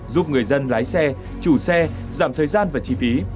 giúp người dân lái xe chủ xe giảm thời gian và chi phí